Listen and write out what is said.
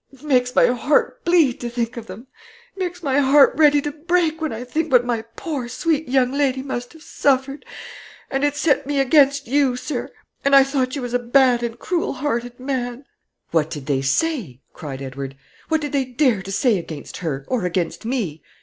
It makes my heart bleed to think of them; it makes my heart ready to break when I think what my poor sweet young lady must have suffered. And it set me against you, sir; and I thought you was a bad and cruel hearted man!" "What did they say?" cried Edward. "What did they dare to say against her or against me?"